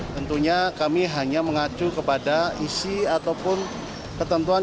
tentunya kami hanya mengacu kepada isi ataupun ketentuan